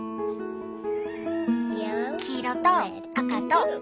黄色と赤と青。